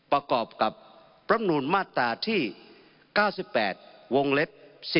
ประกอบกับรำนูลมาตราที่๙๘วงเล็บ๔